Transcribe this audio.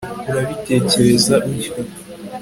urabitekereza utyo